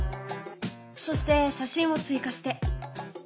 そして写真を追加して。